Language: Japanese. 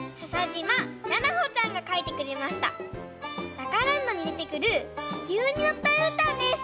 「ダカランド」にでてくるききゅうにのったうーたんです。